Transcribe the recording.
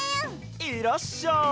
いらっしゃい。